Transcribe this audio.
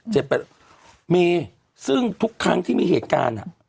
จัดไปมีซึ่งทุกครั้งที่มีเหตุการณ์ฮะ